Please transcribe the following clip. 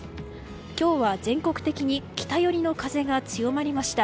今日は全国的に北寄りの風が強まりました。